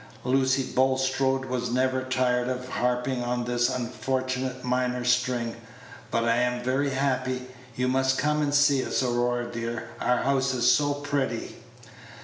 Lucy Bulstrode was never tired of harping on this unfortunate minor string. "But I am very happy. You must come and see us, Aurora, dear. Our house is so pretty!"